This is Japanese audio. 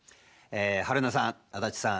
春菜さん、足立さん